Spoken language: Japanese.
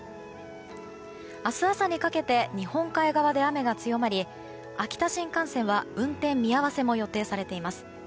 明日朝にかけて日本海側で雨が強まり秋田新幹線は運転見合わせも予定されています。